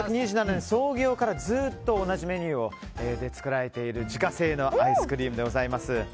１９２７年の創業からずっと同じレシピで作られている自家製のアイスクリームでございます。